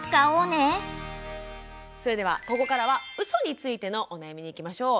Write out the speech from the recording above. それではここからはうそについてのお悩みにいきましょう。